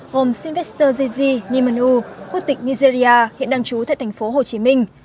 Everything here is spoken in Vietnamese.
gồm sinvestor zizi nhimonu quốc tịch nigeria hiện đang trú tại thành phố hồ chí minh